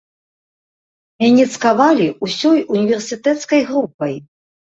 Мяне цкавалі ўсёй універсітэцкай групай.